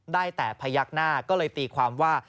ได้แต่พยักหน้าก็เลยตีความว่า